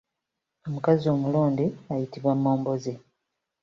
Omukazi omulonde ayitibwa Mmomboze.